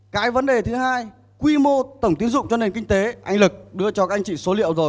cái vấn đề thứ hai quy mô tổng tiến dụng cho nền kinh tế anh lực đưa cho các anh chị số liệu rồi